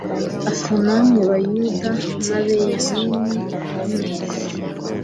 Asa namwe Bayuda nAbabenyamini mwese